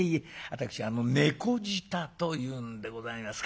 私猫舌というんでございますか。